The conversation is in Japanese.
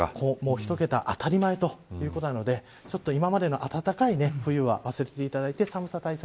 １桁があたり前ということなので今までの暖かい冬は忘れていただいて寒さ対策